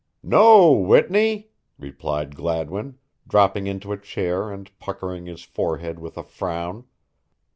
"No, Whitney," replied Gladwin, dropping into a chair and puckering his forehead with a frown.